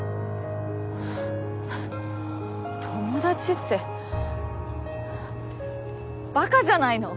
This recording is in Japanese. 友達って馬鹿じゃないの？